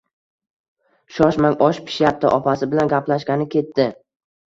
— Shoshmang, osh pishyapti. Opasi bilan gaplashgani ketdi!